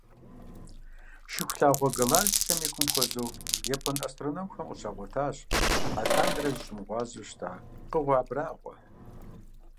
Шыхулъагъуэ галактикэм и кум хуэзэу япон астрономхэм къыщагъуэтащ алъандэрэ зыщымыгъуазэу щыта пкъыгъуэ абрагъуэ.